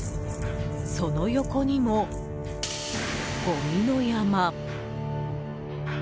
その横にもごみの山。